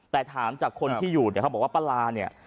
แต่ถามจากคนที่อยู่เนี่ยเขาบอกว่าปลาเนี่ย